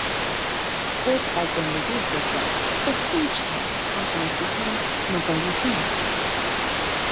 خود و زندگی خود را با هیچ کس از نزدیکان مقایسه نکنید.